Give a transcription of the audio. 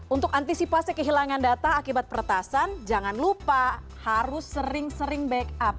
untuk antisipasi kehilangan data akibat peretasan jangan lupa harus sering sering backup